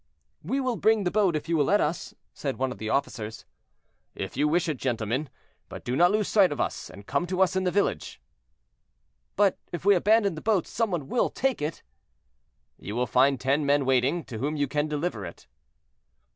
"We will bring the boat if you will let us," said one of the officers. "If you wish it, gentlemen; but do not lose sight of us, and come to us in the village." "But if we abandon the boat some one will take it?" "You will find ten men waiting, to whom you can deliver it."